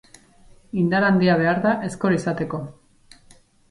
Indar handia behar da ezkor izateko.